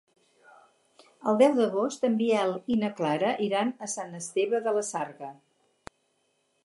El deu d'agost en Biel i na Clara iran a Sant Esteve de la Sarga.